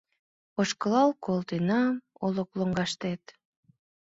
Ошкылал колтена Олык лоҥгаштет